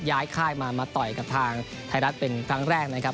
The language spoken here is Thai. ค่ายมามาต่อยกับทางไทยรัฐเป็นครั้งแรกนะครับ